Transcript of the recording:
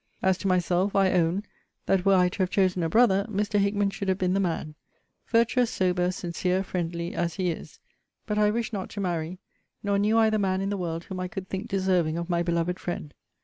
As to myself; I own, that were I to have chosen a brother, Mr. Hickman should have been the man; virtuous, sober, sincere, friendly, as he is. But I wish not to marry; nor knew I the man in the world whom I could think deserving of my beloved friend.